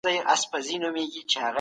جینونه د کروموزوم ایکس پورې اړه لري.